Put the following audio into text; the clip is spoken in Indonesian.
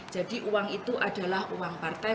jadi uang itu adalah uang partai